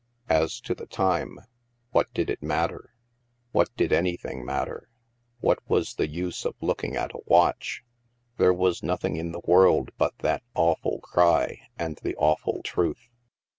As to the time, what did it matter? What did anything matter? What was the use of looking at a watch ? There was nothing in the world but that awful cry and the awful truth.